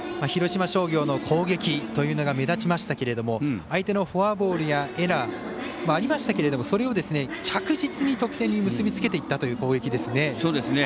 広島商業の攻撃というのが目立ちましたけれども相手のフォアボールやエラーもありましたけどもそれを着実に得点に結び付けていった攻撃ですよね。